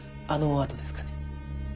あの後ですかね。